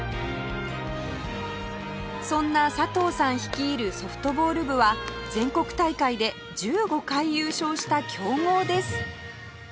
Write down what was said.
そんな佐藤さん率いるソフトボール部は全国大会で１５回優勝した強豪です